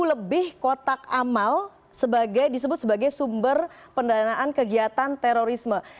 lebih kotak amal disebut sebagai sumber pendanaan kegiatan terorisme